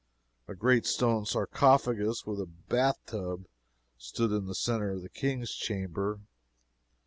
A great stone sarcophagus like a bath tub stood in the centre of the King's Chamber.